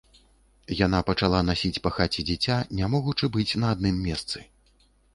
Яна пачала насіць па хаце дзіця, не могучы быць на адным месцы.